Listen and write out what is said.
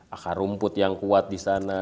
akar rumput yang kuat disana